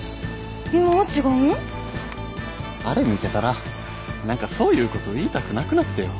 あれ見てたら何かそういうことを言いたくなくなってよ。